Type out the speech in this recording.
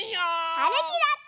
はるきだって！